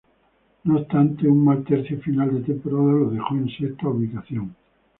No obstante, un mal tercio final de temporada lo dejó en sexta ubicación.